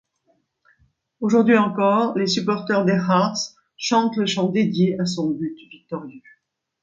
Aujourd'hui encore, les supporters des Hearts chantent le chant dédié à son but victorieux.